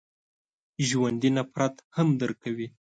ژوندي نفرت هم درک کوي